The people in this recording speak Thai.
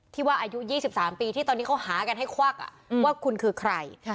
ที่ว่าอายุ๒๓ปีที่ตอนนี้เขาหากันให้ควักว่าคุณคือใคร